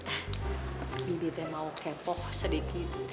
eh bebi teh mau kepo sedikit